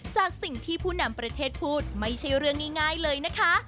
จากสิ่งที่ผู้นำประเทศพูดไม่ใช่เรื่องง่ายเลยนะคะ